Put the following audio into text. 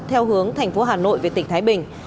theo hướng thành phố hà nội về tỉnh thái bình